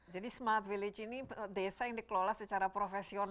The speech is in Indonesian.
jadi smart village ini desa yang dikelola secara profesional